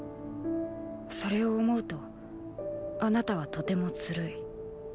それを思うとあなたはとてもズルい。